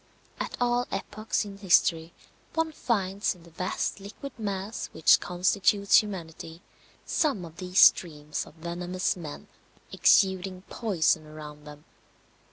At all epochs in history one finds in the vast liquid mass which constitutes humanity some of these streams of venomous men exuding poison around them.